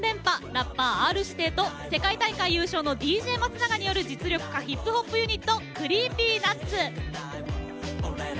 ラッパー、Ｒ−指定と世界大会優勝のＤＪ松永による実力派ヒップホップユニットＣｒｅｅｐｙＮｕｔｓ。